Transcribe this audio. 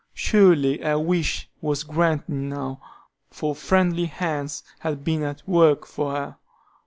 Surely her wish was granted now, for friendly hands had been at work for her.